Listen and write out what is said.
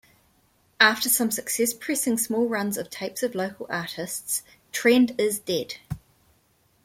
After some success pressing small runs of tapes of local artists, Trend Is Dead!